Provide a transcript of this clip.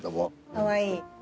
かわいい。